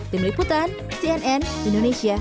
tim liputan cnn indonesia